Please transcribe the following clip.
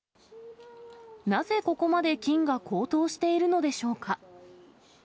なぜここまで金が高騰しているのでしょうか。